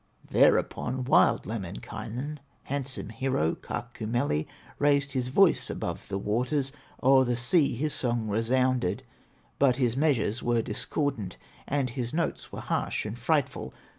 Thereupon wild Lemminkainen, Handsome hero, Kaukomieli, Raised his voice above the waters, O'er the sea his song resounded; But his measures were discordant, And his notes were harsh and frightful.